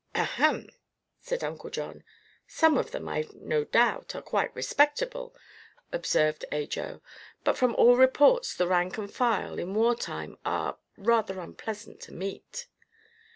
"Ahem!" said Uncle John. "Some of them, I've no doubt, are quite respectable," observed Ajo; "but from all reports the rank and file, in war time, are rather unpleasant to meet."